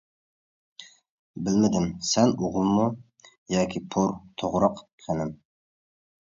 بىلمىدىم سەن ئوغۇلمۇ؟ ياكى پور توغراق خېنىم.